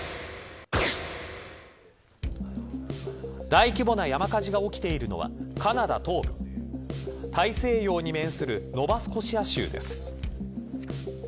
大規模な山火事が起きているのはカナダ東部大西洋に面するノバスコシア州です。